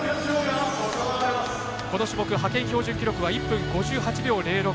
この種目、派遣標準記録は１分５８秒０６。